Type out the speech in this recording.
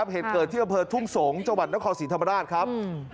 เหตุเกิดที่อำเภอทุ่งสงศ์จังหวัดนครศรีธรรมราชครับ